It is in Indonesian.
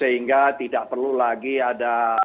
sehingga tidak perlu lagi ada pikiran yang berbeda